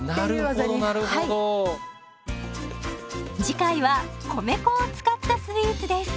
次回は米粉を使ったスイーツです。